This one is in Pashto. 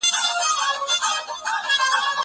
زه مخکي بازار ته تللی و!!